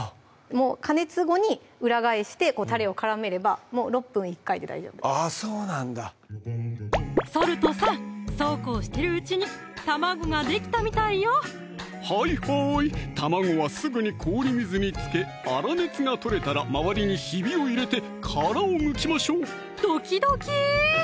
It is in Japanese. もう加熱後に裏返してたれを絡めればもう６分１回で大丈夫ですあっそうなんだソルトさんそうこうしてるうちに卵ができたみたいよはいはーい卵はすぐに氷水につけ粗熱が取れたら周りにひびを入れて殻をむきましょうドキドキ！